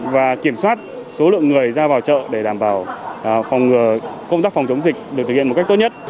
và kiểm soát số lượng người ra vào chợ để đảm bảo phòng ngừa công tác phòng chống dịch được thực hiện một cách tốt nhất